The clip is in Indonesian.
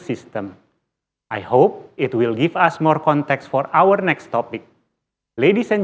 saya berharap ini akan memberi kita lebih banyak konteks untuk topik berikutnya